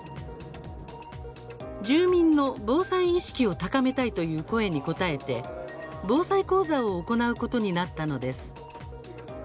住民の防災意識を高めたいという声に応えて、防災講座を行うことになったのです。